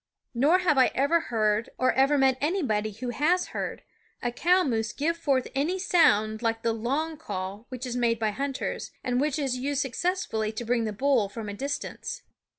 Nor have I ever heard, or ever met anybody who has heard, a cow moose give forth any sound like the "long call " which is made by hunters, and which is used successfully to bring the bull from a distance.